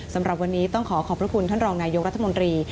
สำหรับวันนี้ต้องขอขอบพระคุณท่านรองนายกรัฐมนตรี